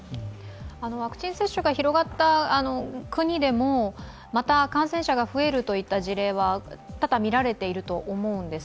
ワクチン接種が広がった国でもまた感染者が増えるといった事例は多々見られていると思うんです。